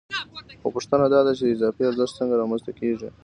خو پوښتنه دا ده چې دا اضافي ارزښت څنګه رامنځته کېږي